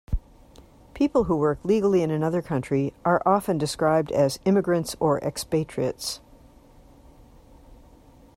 People who work legally in another country are often described as immigrants or expatriates.